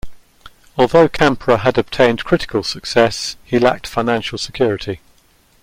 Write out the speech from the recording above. Although Campra had obtained critical success he lacked financial security.